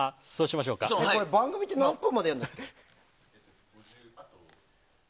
番組って何分までやるんだっけ？